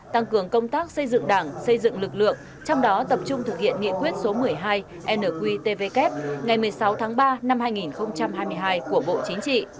tăng cường công tác xây dựng đảng xây dựng lực lượng trong đó tập trung thực hiện nghị quyết số một mươi hai nqtvk ngày một mươi sáu tháng ba năm hai nghìn hai mươi hai của bộ chính trị